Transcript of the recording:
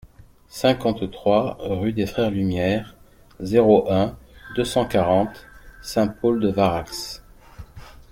cinquante-trois rue des Frères Lumière, zéro un, deux cent quarante, Saint-Paul-de-Varax